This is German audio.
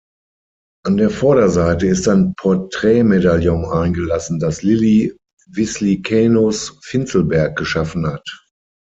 An der Vorderseite ist ein Porträtmedaillon eingelassen, das Lilli Wislicenus-Finzelberg geschaffen hat.